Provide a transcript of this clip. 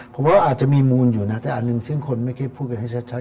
ผมว่าอาจจะมีมูลอยู่นะแต่อันหนึ่งซึ่งคนเมื่อกี้พูดกันให้ชัด